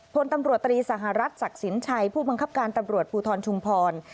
พลตำรวจตรีสหรัฐศักดิ์สินชัยผู้บังคับการตำรวจภูทรชุมพร